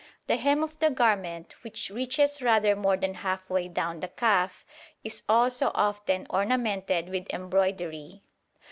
The hem of the garment, which reaches rather more than half way down the calf, is also often ornamented with embroidery.